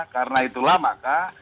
karena itulah maka